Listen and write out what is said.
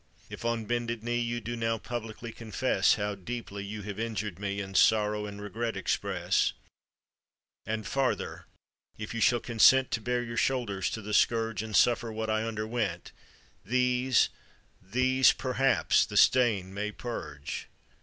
If on bended knee You do now publicly confess How deeply you have injured me And sorrow and regret express: — "And farther, if you shall consent To bare your shoulders to the scourge And suffer what I underwent, These, these, perhaps, the stain may purge.